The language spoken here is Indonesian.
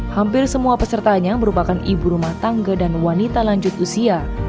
hampir semua pesertanya merupakan ibu rumah tangga dan wanita lanjut usia